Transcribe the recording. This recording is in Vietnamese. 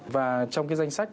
và trong cái danh sách